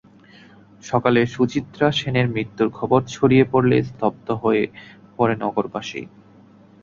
সকালে সুচিত্রা সেনের মৃত্যুর খবর ছড়িয়ে পড়লে স্তব্ধ হয়ে পড়ে নগরবাসী।